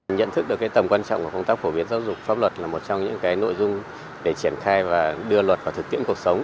nhận thức được tầm quan trọng của công tác phổ biến giáo dục pháp luật là một trong những nội dung để triển khai và đưa luật vào thực tiễn cuộc sống